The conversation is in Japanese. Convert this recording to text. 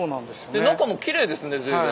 で中もきれいですね随分。